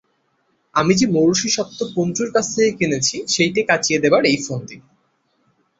আমি যে মৌরসি স্বত্ব পঞ্চুর কাছ থেকে কিনেছি সেইটে কাঁচিয়ে দেবার এই ফন্দি।